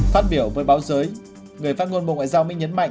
phát biểu với báo giới người phát ngôn bộ ngoại giao mỹ nhấn mạnh